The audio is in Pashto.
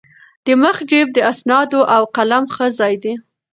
د مخ جېب د اسنادو او قلم ښه ځای دی.